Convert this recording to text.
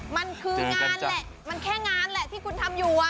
มันคืองานแหละมันแค่งานแหละที่คุณทำอยู่